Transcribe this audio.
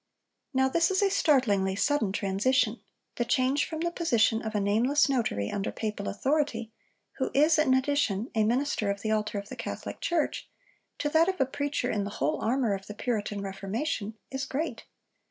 Now, this is a startlingly sudden transition. The change from the position of a nameless notary under Papal authority, who is in addition a minister of the altar of the Catholic Church, to that of a preacher in the whole armour of the Puritan Reformation, is great.